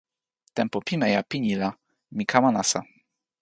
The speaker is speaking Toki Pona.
tenpo pimeja pini la mi kama nasa.